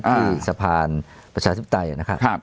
ที่สะพานประชาธิปไตยนะครับ